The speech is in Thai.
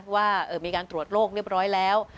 ว่ามีการตรวจโรคเรียบร้อยแล้ว